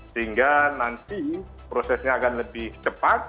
sehingga nanti prosesnya akan lebih cepat